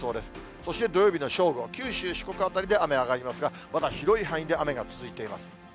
そして土曜日の正午、九州、四国辺りで雨上がりますが、まだ広い範囲で雨が続いています。